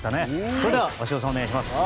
それでは鷲尾さん、お願いします。